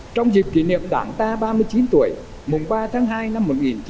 trong dịp kỷ niệm đảng ta ba mươi chín tuổi mùng ba tháng hai năm một nghìn chín trăm bảy mươi